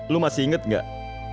lo masih inget gak